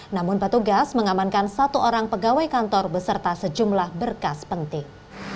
namun petugas mengamankan satu orang pegawai kantor beserta sejumlah berkas penting